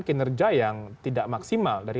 kinerja yang tidak maksimal dari